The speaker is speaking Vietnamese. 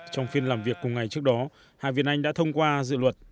trong phiên làm việc cùng ngày trước đó hai viên anh đã thông qua dự luật